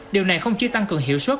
điều này không chỉ tăng cường hiệu suất